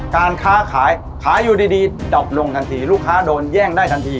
การค้าขายขายอยู่ดีจบลงทันทีลูกค้าโดนแย่งได้ทันที